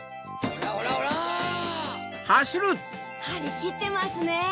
はりきってますね！